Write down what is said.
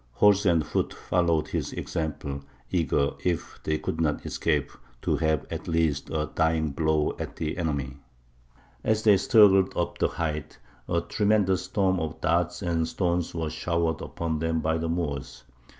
Horse and foot followed his example, eager, if they could not escape, to have at least a dying blow at the enemy. As they struggled up the height, a tremendous storm of darts and stones was showered upon them by the Moors.